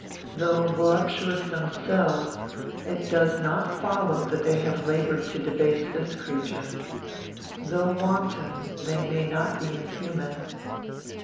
Though voluptuous themselves, it does not follow that they have laboured to debase this creature. Though wanton, they may not be inhuman.